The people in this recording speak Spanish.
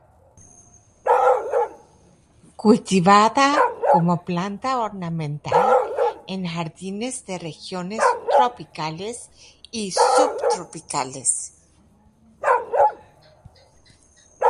Cultivada como planta ornamental en jardines de regiones tropicales y subtropicales.